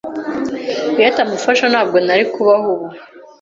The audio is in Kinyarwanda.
Iyo atamufasha, ntabwo nari kubaho ubu.